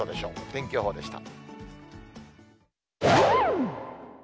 天気予報でした。